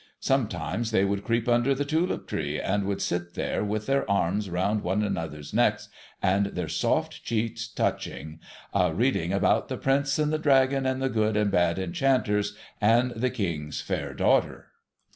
Sometimes they would creep under the Tulip tree, and would sit there with their arms round one another's necks, and their soft cheeks touching, a reading about the Prince and the Dragon, and the good and bad enchanters, and the king's fair daughter.